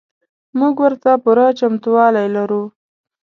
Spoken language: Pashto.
موږ ورته پوره چمتو والی لرو.